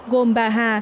gồm bà hà